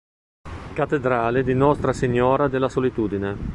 Cattedrale di Nostra Signora della Solitudine